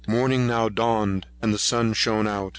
Morning now dawned, and the sun shone out.